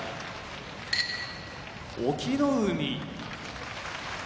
隠岐の海